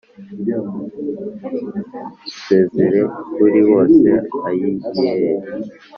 Usezere kuri bose ayiyeee